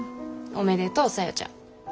おめでとう小夜ちゃん。